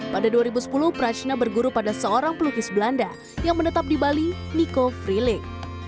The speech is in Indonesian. pada dua ribu sepuluh prachna berguru pada seorang pelukis belanda yang menetap di bali niko frilik